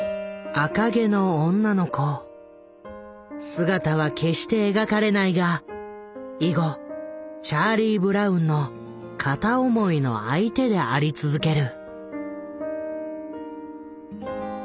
姿は決して描かれないが以後チャーリー・ブラウンの片思いの相手であり続ける。